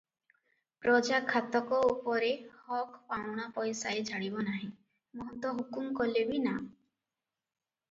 ପ୍ରଜା ଖାତକ ଉପରେ ହକ ପାଉଣା ପଇସାଏ ଛାଡିବ ନାହିଁ, ମହନ୍ତ ହୁକୁମ କଲେ ବି, ନା ।